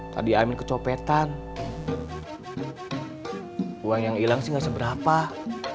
terus gimana tuh